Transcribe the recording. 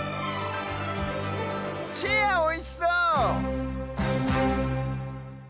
チェアおいしそう！